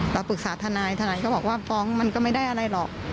ปรึกษาทนายทนายก็บอกว่าฟ้องมันก็ไม่ได้อะไรหรอก